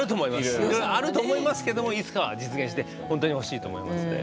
いろいろあると思いますけどもいつかは実現してほしいと思いますんで。